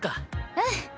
うん。